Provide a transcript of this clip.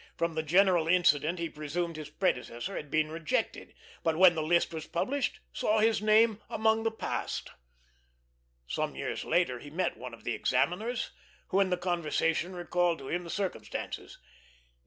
From the general incident he presumed his predecessor had been rejected, but when the list was published saw his name among the passed. Some years later he met one of the examiners, who in the conversation recalled to him the circumstances.